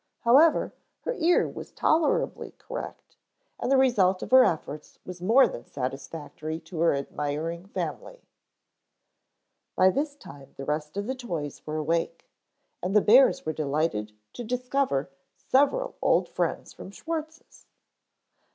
However, her ear was tolerably correct and the result of her efforts was more than satisfactory to her admiring family. By this time the rest of the toys were awake and the bears were delighted to discover several old friends from Schwartz's.